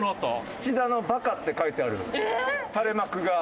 「土田のバカ」って書いてある垂れ幕が。